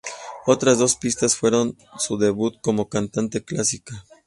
Otras dos pistas fueron su debut como cantante clásica.